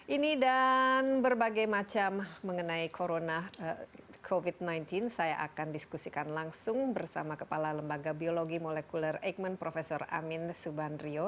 ini dan berbagai macam mengenai corona covid sembilan belas saya akan diskusikan langsung bersama kepala lembaga biologi molekuler eijkman prof amin subandrio